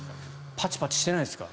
パチパチしてないですか。